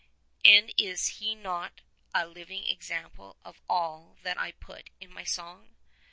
And is he not a living example of all that I put in my song?